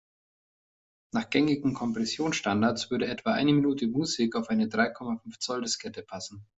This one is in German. Nach gängigen Kompressionsstandards würde etwa eine Minute Musik auf eine drei Komma fünf Zoll-Diskette passen.